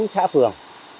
bốn xã phường